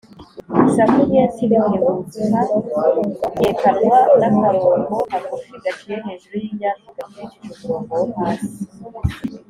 Isaku nyesi ritebutsa ryerekanwa n’akarongo ka gufi gaciye hejuru y’inyajwi gakurikije umurongo wo hasi.